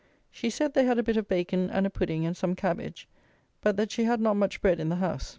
She said they had a bit of bacon and a pudding and some cabbage; but that she had not much bread in the house.